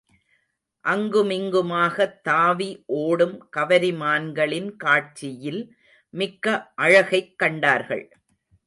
அங்குமிங்குமாகத் தாவி ஓடும் கவரிமான்களின் காட்சியில் மிக்க அழகைக் கண்டார்கள்.